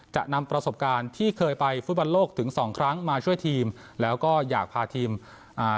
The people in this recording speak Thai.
จะนำประสบการณ์ที่เคยไปฟุตบอลโลกถึงสองครั้งมาช่วยทีมแล้วก็อยากพาทีมอ่า